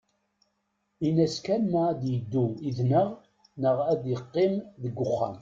Ini-as kan ma ad iddu id-neɣ neɣ ad iqqim deg uxxam.